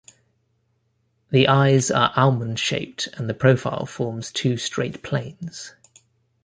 The eyes are almond shaped and the profile forms two straight planes.